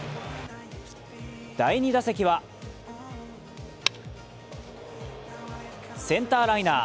第２打席はセンターライナー。